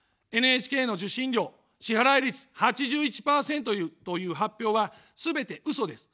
ＮＨＫの受信料、支払い率８１％という発表は、すべてうそです。